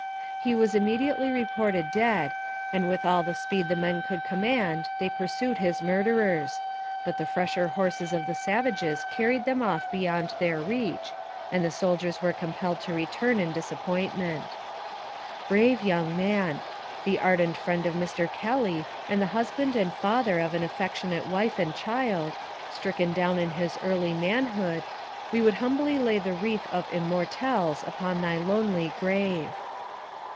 He was immediately reported dead, and with all the speed the men could command they pursued his mur derers; but the fresher horses of the savages carried them off beyond their reach, and the soldiers were com pelled to return in disappointment. Brave young man ! the ardent friend of Mr. Kelly, and the husband and father of an affectionate wife and child, stricken down in his early manhood, we would humbly lay the wreath of "immortelles" upon thy lonely grave.